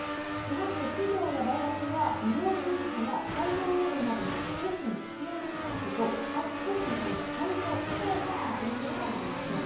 企業や大学は医療従事者や会場運営などの接種に必要なスタッフと接種のための会場を確保しなければなりません。